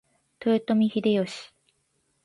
豊臣秀頼